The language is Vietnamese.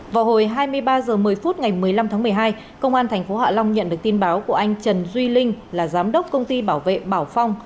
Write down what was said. vào hồi hai mươi ba h một mươi phút ngày một mươi năm tháng một mươi hai công an tp hạ long nhận được tin báo của anh trần duy linh là giám đốc công ty bảo vệ bảo phong